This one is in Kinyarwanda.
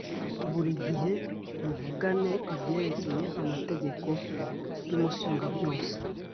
buri gihe muvugane ibyerekeye amategeko y’Umusumbabyose